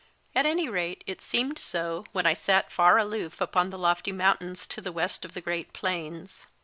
At any rate, it seemed so when I sat far aloof upon the lofty mountains to the west of the great plains.